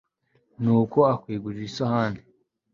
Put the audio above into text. Nuko akwegurira isahani